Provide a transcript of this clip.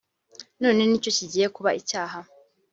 none ni cyo kigiye kuba icyaha